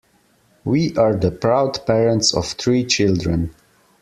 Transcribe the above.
We are the proud parents of three children.